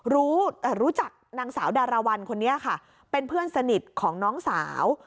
รู้จักนางสาวดาราวัลคนนี้ค่ะเป็นเพื่อนสนิทของน้องสาว